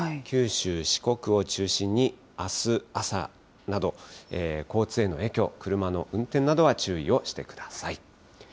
九州、四国を中心にあす朝など、交通への影響、車の運転などは注意をしてください。